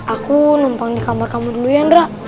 aku numpang di kamar kamu dulu ya nera